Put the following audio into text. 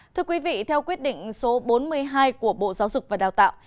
thưa quý vị theo quyết định số bốn mươi hai của bộ giáo dục và đào tạo